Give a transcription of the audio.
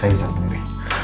gak usah saya bisa sendiri